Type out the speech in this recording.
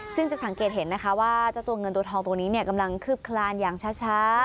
ซึ่งจะสังเกตเห็นนะคะว่าเจ้าตัวเงินตัวทองตัวนี้กำลังคืบคลานอย่างช้า